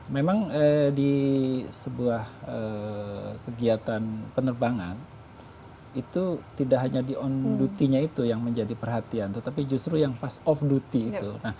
memang di sebuah kegiatan penerbangan itu tidak hanya di on duty nya itu yang menjadi perhatian tetapi justru yang pas of duty itu